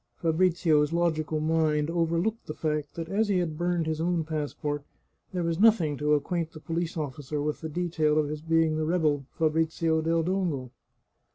Fabrizio's logical mind overlooked the fact that as he had burned his own passport, there was nothing to acquaint the police officer with the detail of his being the rebel Fabrizio del Dongo.